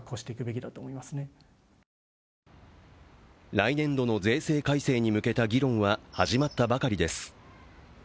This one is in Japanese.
来年度の税制改正に向けた議論は始まったばかりです。